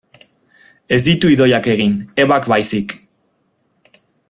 Ez ditu Idoiak egin, Ebak baizik.